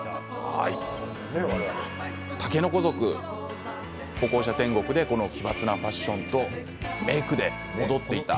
竹の子族、歩行者天国で奇抜なファッションとメークで踊っていた。